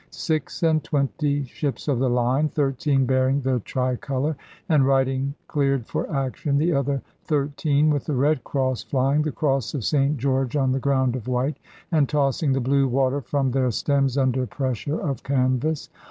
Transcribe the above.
Six and twenty ships of the line, thirteen bearing the tricolor, and riding cleared for action, the other thirteen with the red cross flying, the cross of St George on the ground of white, and tossing the blue water from their stems under pressure of canvass.